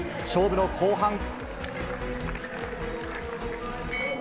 勝負の後半。